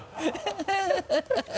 ハハハ